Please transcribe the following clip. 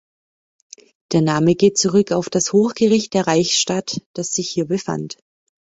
Der Name geht zurück auf das Hochgericht der Reichsstadt, das sich hier befand.